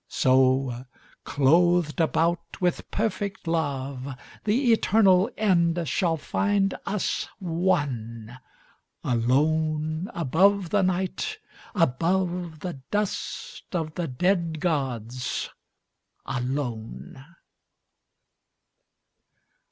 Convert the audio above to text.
So, clothed about with perfect love, The eternal end shall find us one, Alone above the Night, above The dust of the dead gods, alone.